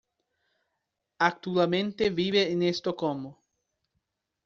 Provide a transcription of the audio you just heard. Actualmente vive en Estocolmo.